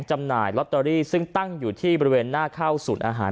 จำหน่ายลอตเตอรี่ซึ่งตั้งอยู่ที่บริเวณหน้าเข้าศูนย์อาหาร